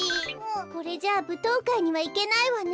これじゃあぶとうかいにはいけないわね。